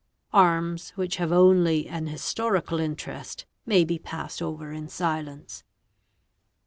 Arms which have only: r historical interest may be passed over in silence.